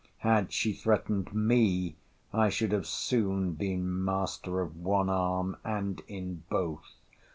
Had she threatened ME, I should have soon been master of one arm, and in both!